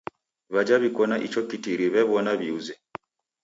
W'aja w'iko na icho kitiri w'ew'ona w'iuze.